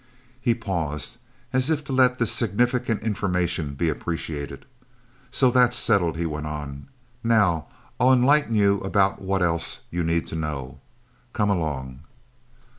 He paused, as if to let this significant information be appreciated. "So that's settled," he went on. "Now I'll enlighten you about what else you need to know... Come along."